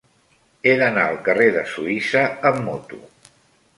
He d'anar al carrer de Suïssa amb moto.